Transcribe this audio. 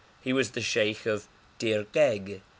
He was the sheikh of Dirgheg.